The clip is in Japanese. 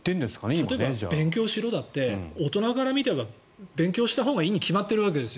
例えば勉強しろだって大人から見たら勉強したほうがいいに決まっているわけですよ。